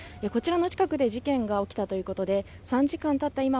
こちらの近くで事件が起きたということで３時間たった